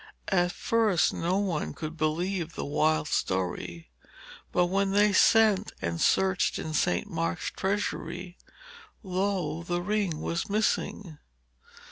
At first no one could believe the wild story, but when they sent and searched in St. Mark's treasury, lo! the ring was missing.